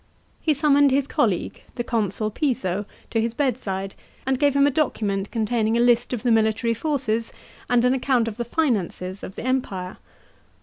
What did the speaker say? He summoned his colleague, the consul Piso, to his bedside, and gave him a document containing a list of the military forces, and an account of the finances, of the Empire.